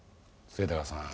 末高さん